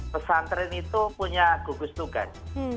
pesantren itu punya gugus tugas